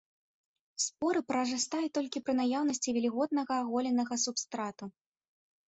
Споры прарастаюць толькі пры наяўнасці вільготнага аголенага субстрату.